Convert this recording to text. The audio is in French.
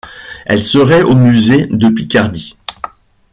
Elle serait au musée de Picardie.